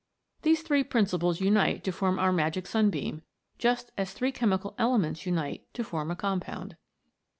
These three principles unite to form our magic sunbeam, just as three chemical elements unite to form a compound.